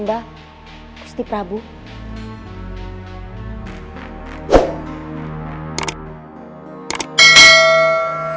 pastinyauhan mejor fitur